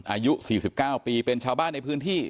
อายุ๔๙ปีเป็นชาวบ้านในพื้นที่